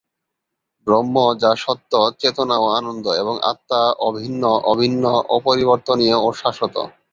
ব্রহ্ম, যা সত্য, চেতনা ও আনন্দ, এবং আত্মা অ-ভিন্ন, অভিন্ন, অপরিবর্তনীয় ও শাশ্বত।